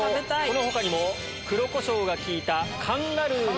この他にも黒コショウが効いた。